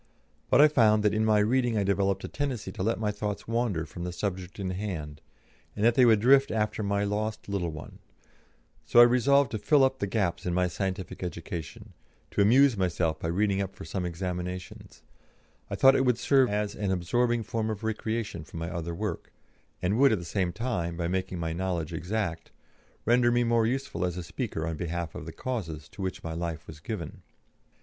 But I found that in my reading I developed a tendency to let my thoughts wander from the subject in hand, and that they would drift after my lost little one, so I resolved to fill up the gaps in my scientific education, and to amuse myself by reading up for some examinations; I thought it would serve as an absorbing form of recreation from my other work, and would at the same time, by making my knowledge exact, render me more useful as a speaker on behalf of the causes to which my life was given.